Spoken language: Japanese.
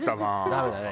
ダメだね。